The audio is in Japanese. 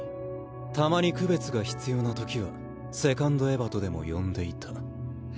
たまに区別が必要な時は「セカンドエヴァ」とでも呼んでいた。